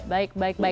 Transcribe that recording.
baik baik baik